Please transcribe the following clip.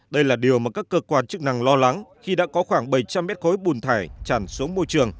đây là điều mà các cơ quan chức năng lo lắng khi đã có khoảng bảy trăm linh mét khối bùn thải tràn xuống môi trường